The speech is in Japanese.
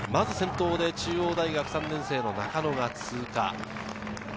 まず先頭で中央大学３年生・中野が通過。